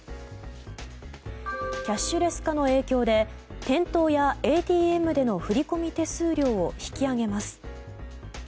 キャッシュレス化の影響で店頭やＡＴＭでの振込手数料を引き上げます。